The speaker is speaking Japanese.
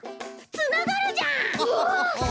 つながるじゃん！